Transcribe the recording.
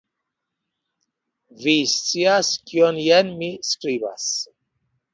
Vi scias kion jen mi skribas!